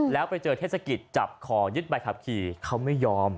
แล้วไปเจอเทศกิจจับขอยึดใบขับขี่เขาไม่ยอม